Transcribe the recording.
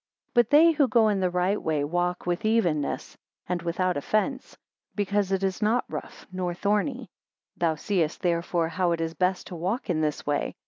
5 But they who go in the right way walk with evenness, and without offence; because it is not rough nor thorny. 6 Thou seest therefore how it is best to walk in this way.